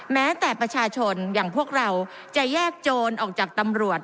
แม้แต่ประชาชนอย่างพวกเราจะแยกโจรออกจากตำรวจ